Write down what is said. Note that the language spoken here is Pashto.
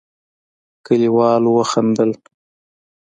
کليوالو وخندل.